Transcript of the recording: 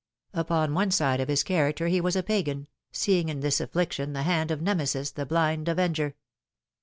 Upon one side of his character he was a Pagan, seeing in this affliction the hand of Nemesis, the blind .Avenger.